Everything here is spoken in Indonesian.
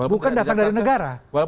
bukan dapat dari negara